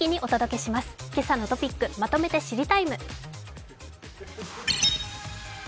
「けさのトピックまとめて知りＴＩＭＥ，」